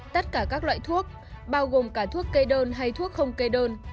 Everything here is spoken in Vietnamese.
tất cả các loại thuốc bao gồm cả thuốc kê đơn hay thuốc không kê đơn